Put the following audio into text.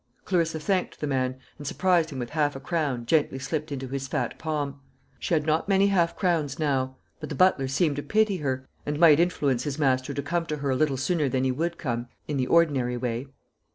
Clarissa thanked the man, and surprised him with half a crown gently slipped into his fat palm. She had not many half crowns now; but the butler seemed to pity her, and might influence his master to come to her a little sooner than he would come in the ordinary way.